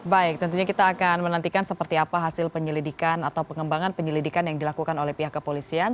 baik tentunya kita akan menantikan seperti apa hasil penyelidikan atau pengembangan penyelidikan yang dilakukan oleh pihak kepolisian